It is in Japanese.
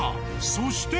そして。